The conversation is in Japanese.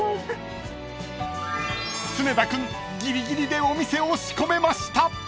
［常田君ギリギリでお店を仕込めました］